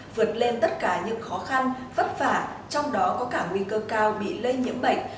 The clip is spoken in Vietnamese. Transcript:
vượt lên tất cả những khó khăn vất vả trong đó có cả nguy cơ cao bị lây nhiễm bệnh